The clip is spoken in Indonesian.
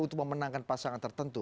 untuk memenangkan pasangan tertentu